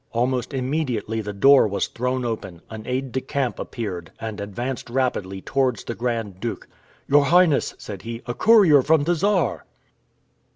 Almost immediately the door was thrown open, an aide de camp appeared, and advanced rapidly towards the Grand Duke. "Your Highness," said he, "a courier from the Czar!"